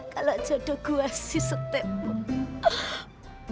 kalau jodoh gue sih setek